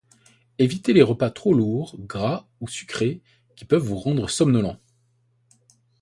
Évitez les repas trop lourds, gras ou sucrés qui peuvent vous rendre somnolent.